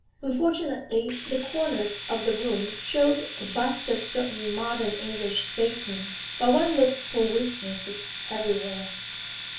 Unfortunately the corners of the room showed busts of certain modern English statesmen: but one looks for weaknesses everywhere.